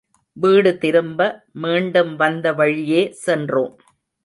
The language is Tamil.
வீடு திரும்ப, மீண்டும் வந்த வழியே சென்றோம்.